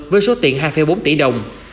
với số tiền hai bốn tỷ đồng